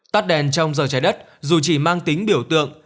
tắt đèn trong giờ trái đất dù chỉ mang tính biểu tượng